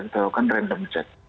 kita lakukan random check